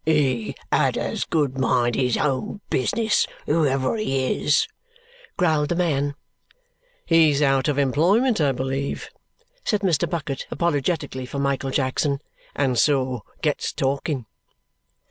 "He had as good mind his own business, whoever he is," growled the man. "He's out of employment, I believe," said Mr. Bucket apologetically for Michael Jackson, "and so gets talking."